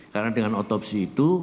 karena dengan otopsi itu